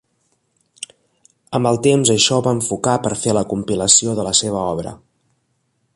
Amb el temps això ho va enfocar per fer la compilació de la seva obra.